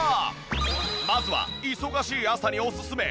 まずは忙しい朝におすすめ。